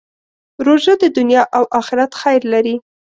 روژه د دنیا او آخرت خیر لري.